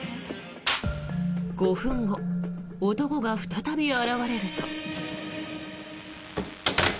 ５分後、男が再び現れると。